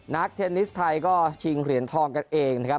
เทนนิสไทยก็ชิงเหรียญทองกันเองนะครับ